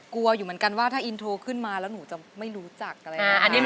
กลัวอยู่เหมือนกันว่าถ้าอินโทรขึ้นมาแล้วหนูจะไม่รู้จักอะไรอย่างนี้